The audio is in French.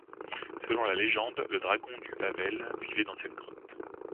Selon la légende, le dragon du Wawel vivait dans cette grotte.